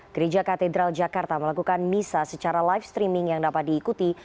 gereja katedral jakarta melakukan misa secara live streaming yang dapat diikuti